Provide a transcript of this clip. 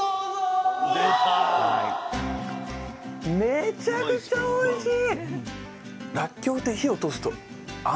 めちゃくちゃおいしい！